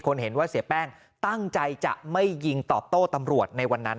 เห็นว่าเสียแป้งตั้งใจจะไม่ยิงตอบโต้ตำรวจในวันนั้น